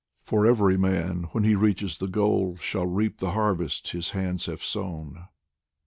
For every man when he reaches the goal Shall reap the harvest his hands have sown.